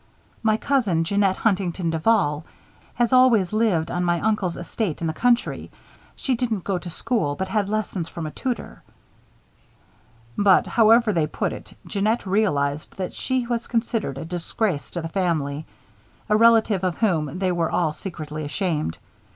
"My cousin, Jeanette Huntington Duval, has always lived on my uncle's estate in the country. She didn't go to school, but had lessons from a tutor." But, however they put it, Jeannette realized that she was considered a disgrace to the family, a relative of whom they were all secretly ashamed.